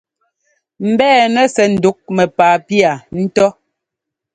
Mbɛ́ɛnɛ sɛ ŋdǔk mɛ́paa pía ńtó.